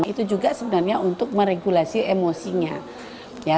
itu juga sebenarnya untuk meregulasi emosinya